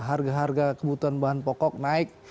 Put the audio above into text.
harga harga kebutuhan bahan pokok naik